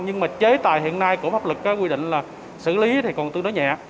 nhưng mà chế tài hiện nay của pháp lực quy định là xử lý thì còn tương đối nhẹ